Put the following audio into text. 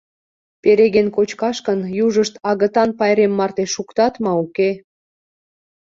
Переген кочкаш гын, южышт Агытан пайрем марте шуктат ма, уке?